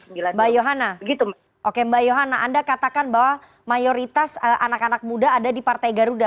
mbak yohana anda katakan bahwa mayoritas anak anak muda ada di partai garuda